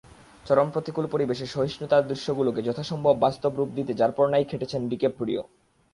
চরম প্রতিকূল পরিবেশে সহিষ্ণুতার দৃশ্যগুলোকে যথাসম্ভব বাস্তব রূপ দিতে যারপরনাই খেটেছেন ডিক্যাপ্রিও।